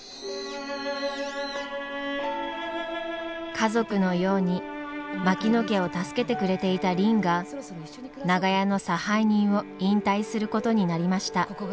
家族のように槙野家を助けてくれていたりんが長屋の差配人を引退することになりました。